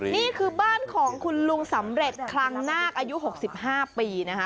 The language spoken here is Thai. นี่คือบ้านของคุณลุงสำเร็จคลังนาคอายุ๖๕ปีนะคะ